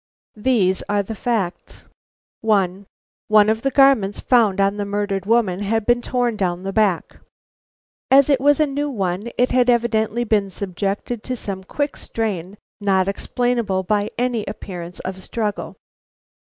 These are the facts: 1. One of the garments found on the murdered woman had been torn down the back. As it was a new one, it had evidently been subjected to some quick strain, not explainable by any appearance of struggle.